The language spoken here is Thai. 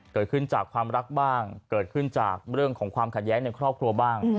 เกิดขึ้นจากความรักบ้างเกิดขึ้นจากเรื่องของความขัดแย้งในครอบครัวบ้าง